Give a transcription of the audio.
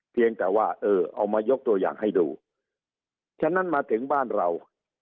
เพียงแต่ว่าเออเอามายกตัวอย่างให้ดูฉะนั้นมาถึงบ้านเรา